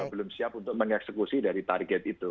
belum siap untuk mengeksekusi dari target itu